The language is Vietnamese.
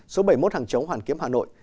số bảy mươi một hàng chống hoàn kiếm hà nội